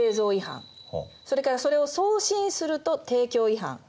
それからそれを送信すると「提供違反」。